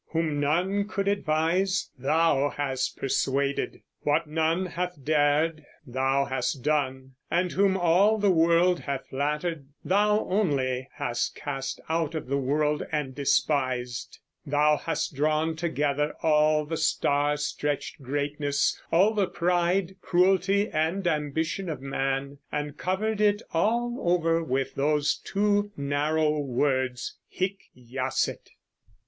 whom none could advise thou hast persuaded; what none hath dared thou hast done; and whom all the world hath flattered thou only hast cast out of the world and despised; thou hast drawn together all the star stretched greatness, all the pride, cruelty, and ambition of man, and covered it all over with these two narrow words, Hic jacet!